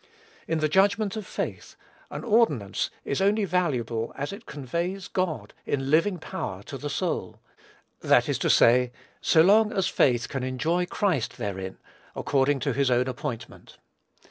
In the judgment of faith, an ordinance is only valuable as it conveys God, in living power, to the soul; that is to say, so long as faith can enjoy Christ therein, according to his own appointment.